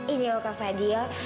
ini loh kak fadil